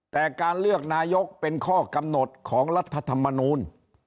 แต่การเลือกนายกเป็นข้อกำหนดของรัฐธรรมนูล